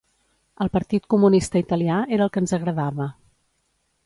El Partit Comunista Italià era el que ens agradava.